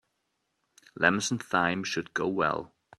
Lemons and thyme should go well.